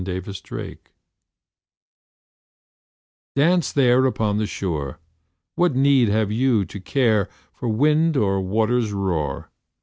Yeats (1865 1939) ANCE there upon the shore; What need have you to care For wind or water's roar?